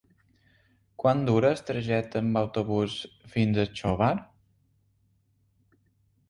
Quant dura el trajecte en autobús fins a Xóvar?